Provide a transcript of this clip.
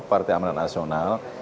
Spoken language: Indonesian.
partai amanat nasional